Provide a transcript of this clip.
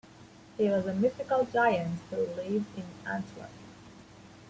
He was a mythical giant who lived in Antwerp.